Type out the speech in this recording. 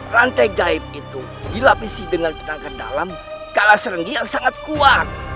rantai gaib itu dilapisi dengan tenaga dalam kalah serenggi yang sangat kuat